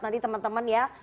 nanti teman teman ya